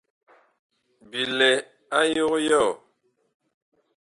Bi lɛ a yog yɔɔ.